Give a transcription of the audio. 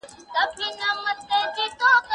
سياسي ثبات تر جګړې ډېر زيات ارزښت لري.